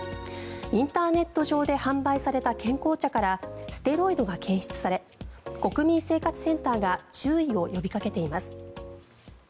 インターネット上で販売された健康茶からステロイドが検出され国民生活センターが注意を呼びかけています。